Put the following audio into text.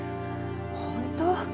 本当？